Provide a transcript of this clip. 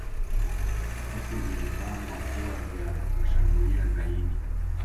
vikosi vilipangwa kuwa vya kushambulia zaidi